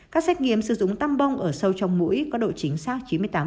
các xét nghiệm sử dụng tam bông ở sâu trong mũi có độ chính xác chín mươi tám